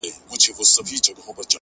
ه په سندرو کي دي مينه را ښودلې;